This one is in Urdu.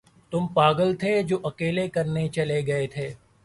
تم پاگل تھے جو اکیلے کرنے چلے گئے تھے۔